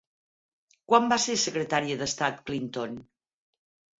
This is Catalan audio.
Quan va ser secretària d'Estat Clinton?